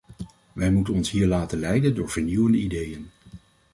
Wij moeten ons hier laten leiden door vernieuwende ideeën.